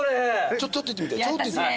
ちょっといってみて。